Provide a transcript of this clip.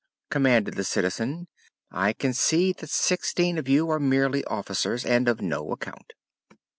commanded the Citizen. "I can see that sixteen of you are merely officers, and of no account."